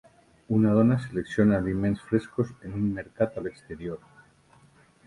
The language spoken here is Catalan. Una dona selecciona aliments frescos en un mercat a l'exterior.